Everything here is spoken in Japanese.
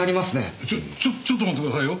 ちょっちょっと待ってくださいよ。